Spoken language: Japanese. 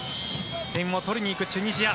点を取りに行くチュニジア。